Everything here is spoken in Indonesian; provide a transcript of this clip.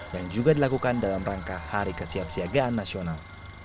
yang juga dilakukan dalam rangka hari kesiapsiagaan nasional